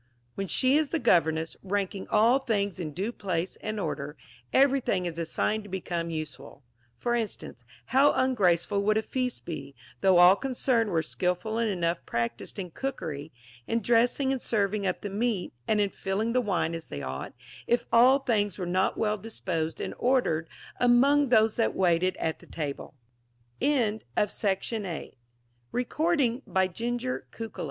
When she is the governess, ranking all things in due place and order, every thing is assigned to be come useful ; for instance, how uni^raceful would a feast be, though all concerned were skilful and enough practised in cookery, in dressing and serving up the meat, and in fill ing the wine as they ought, if all things were not well disposed and ordered among those that wai